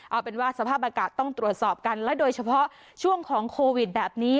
เอาเป็นว่าสภาพอากาศต้องตรวจสอบกันและโดยเฉพาะช่วงของโควิดแบบนี้